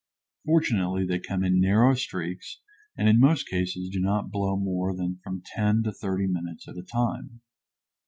Fortunately, they come in narrow streaks and in most cases do not blow more than from ten to thirty minutes at a time.